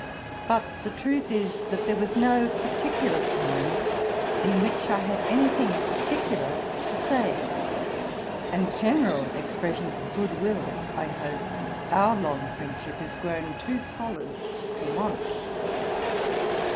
But the truth is, that there was no particular time in which I had any thing particular to say; and general expressions of good will, I hope, our long friendship is grown too solid to want.